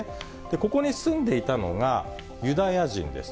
ここに住んでいたのが、ユダヤ人です。